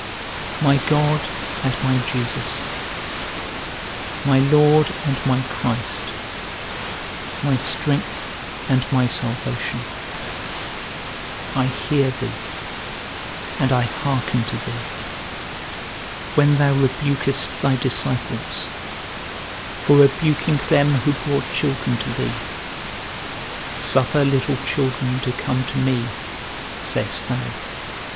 My God and my Jesus, my Lord and my Christ, my strength and my salvation, I hear thee, and I hearken to thee, when thou rebukest thy disciples, for rebuking them who brought children to thee; Suffer little children to come to me, sayest thou.